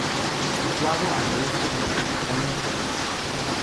Situado al oeste de las Montañas Olympic.